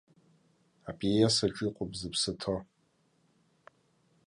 Апиесаҿ иҟоуп зыԥсы ҭоу.